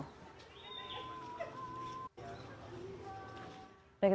ketika berjalan berita terkini mengenai penyelidikan tersebut